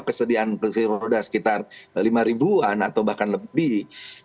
kesediaan kursi roda sekitar lima ribuan atau bahkan lebih